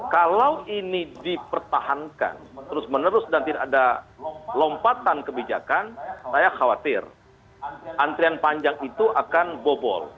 kalau ini dipertahankan terus menerus dan tidak ada lompatan kebijakan saya khawatir antrian panjang itu akan bobol